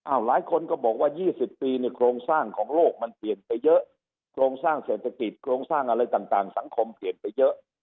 หลายคนก็บอกว่า๒๐ปีเนี่ยโครงสร้างของโลกมันเปลี่ยนไปเยอะโครงสร้างเศรษฐกิจโครงสร้างอะไรต่างสังคมเปลี่ยนไปเยอะ